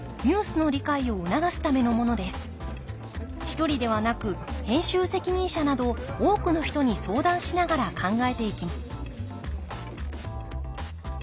一人ではなく編集責任者など多くの人に相談しながら考えていきます